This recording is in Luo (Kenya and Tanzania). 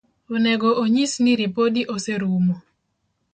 Onego onyis ni ripodi oserumo.